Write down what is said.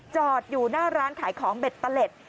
จอดอยู่หน้าร้านขายของเบ็ดเตอร์เล็ต